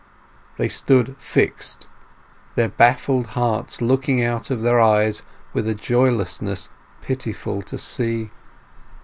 They stood fixed, their baffled hearts looking out of their eyes with a joylessness pitiful to see.